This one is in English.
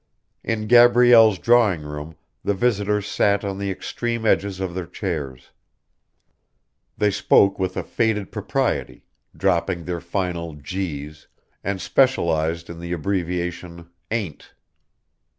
In Gabrielle's drawing room the visitors sat on the extreme edges of their chairs. They spoke with a faded propriety, dropped their final "g's," and specialised in the abbreviation "ain't."